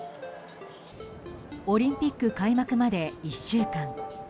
オリンピック開幕まで１週間。